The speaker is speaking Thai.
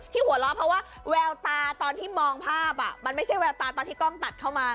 หัวเราะเพราะว่าแววตาตอนที่มองภาพมันไม่ใช่แววตาตอนที่กล้องตัดเข้ามา